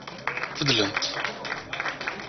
Beddlent